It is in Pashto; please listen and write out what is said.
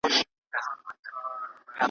پېژندلی یې خپل کور وو خپله خونه ,